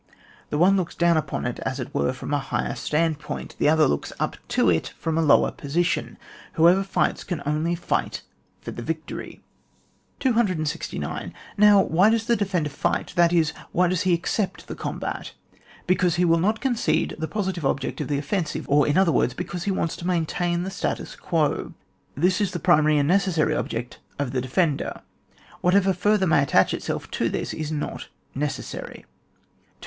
The one looks down upon it, as it were, from a higher stand point; the other looks up to it from, a lower position, Whoever' fights can only fight for the victory, 269. Now, why does the defender fight, that is, why does he accept the combat ? Because he will not concede the positive object of the offensive ; or, in other words, because he wants to maintain the status guo. This is the primary and necessary object of the defender ; whatever further may attach itself to this is not necessary. 270.